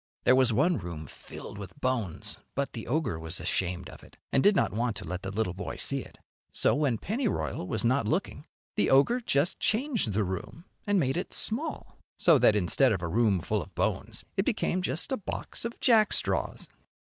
There was one room filled with bones, but the ogre was ashamed of it, and did not want to let the little boy see it. So when Pennyroyal was not looking the ogre just changed the room and made it small, so that instead of a room full of bones it became just a box of jackstraws.